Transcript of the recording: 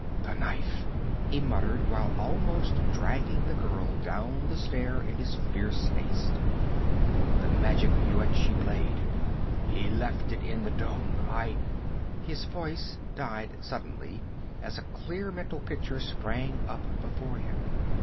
'The knife!' he muttered, while almost dragging the girl down the stair in his fierce haste. 'The magic Yuetshi blade! He left it in the dome! I ' his voice died suddenly as a clear mental picture sprang up before him.